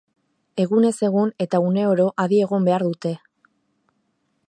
Egunez egun eta une oro adi egon behar dute.